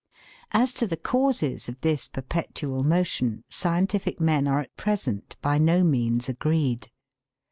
As to the causes of this perpetual motion scientific men are at present by no means agreed.